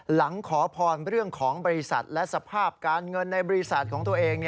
หลังขอพรเรื่องของบริษัทและสภาพการเงินในบริษัทของตัวเอง